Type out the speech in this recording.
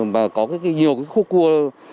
và có nhiều cái khu cua